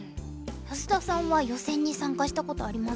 安田さんは予選に参加したことありますか？